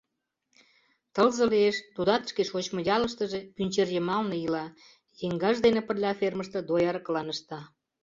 Тылзе лиеш тудат шке шочмо ялыштыже, Пӱнчерйымалне ила, еҥгаж дене пырля фермыште дояркылан ышта.